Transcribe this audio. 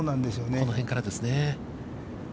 この辺からですね。